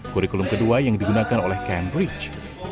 kurikulum kedua yang digunakan oleh cambridge